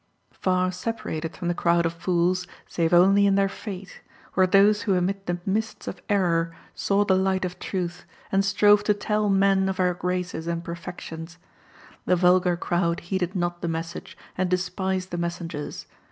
_ _Far separated from the crowd of fools, save only in their fate, were those who amid the mists of error saw the light of Truth, and strove to tell men of her graces and perfections. The vulgar crowd heeded not the message, and despised the messengers.